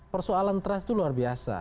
persoalan trust itu luar biasa